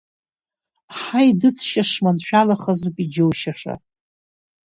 Ҳаидыҵшьа шманшәалахазоуп иџьоушьаша.